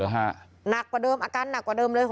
หนักกว่าเดิมอาการหนักกว่าเดิมเลย